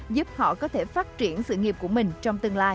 giúp họ có thể phát triển sự nghiệp của mình trong tương lai